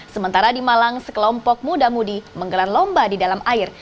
sementara di malang sekelompok muda mudi menggelar lomba di dalam air